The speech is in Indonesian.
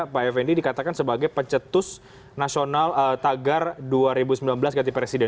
pak effendi dikatakan sebagai pencetus nasional tagar dua ribu sembilan belas ganti presiden